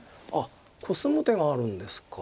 コスむ手があるんですか。